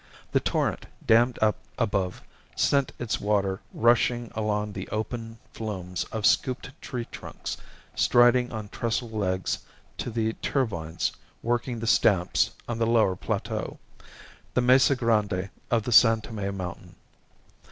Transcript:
The torrent, dammed up above, sent its water rushing along the open flumes of scooped tree trunks striding on trestle legs to the turbines working the stamps on the lower plateau the mesa grande of the San Tome mountain.